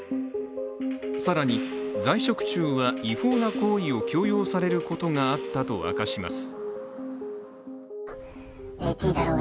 更に、在職中は違法な行為を強要されることがあったと明かします。